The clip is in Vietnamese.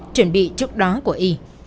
chuẩn bị trước đó của y